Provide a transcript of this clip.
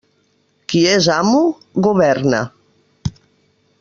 Qui és amo, governa.